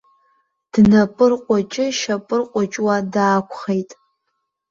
Днапырҟәыҷышьапырҟәыҷуа даақәхеит.